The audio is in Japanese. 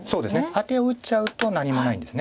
アテを打っちゃうと何もないんです。